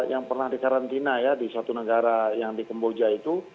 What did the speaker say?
yang pernah dikarantina ya di satu negara yang di kemboja itu